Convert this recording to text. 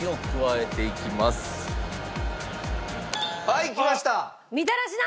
はいきました。